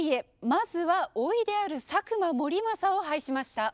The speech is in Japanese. まずは甥である佐久間盛政を配しました。